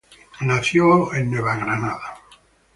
Nació en Nueva Jersey.